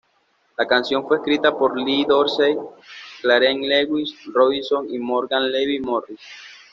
La canción fue escrita por Lee Dorsey, Clarence Lewis, Robinson y Morgan Levy Morris.